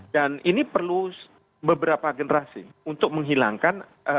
dan ini perlu beberapa generasi untuk menghilangkan